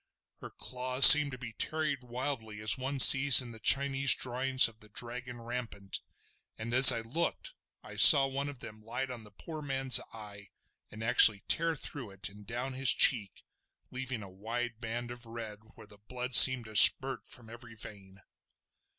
Her claws seemed to be tearing wildly as one sees in the Chinese drawings of the dragon rampant, and as I looked I saw one of them light on the poor man's eye, and actually tear through it and down his cheek, leaving a wide band of red where the blood seemed to spurt from every vein.